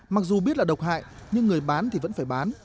mặc dù biết là độc hại nhưng người bán thì vẫn phải bán